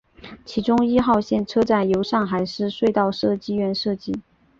其中一号线车站由上海市隧道设计院设计。